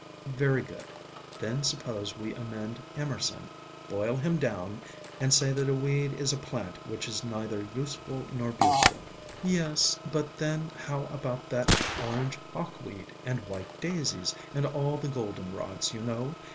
"Very good. Then suppose we amend Emerson, boil him down, and say that a weed is a plant which is neither useful nor beautiful." "Yes, but then how about that Orange Hawk weed, and White Daisies and all the Goldenrods, you know?